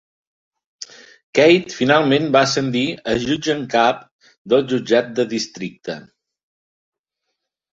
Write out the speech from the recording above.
Keith finalment va ascendir a jutge en cap del jutjat de districte.